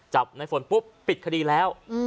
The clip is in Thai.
ในฝนปุ๊บปิดคดีแล้ว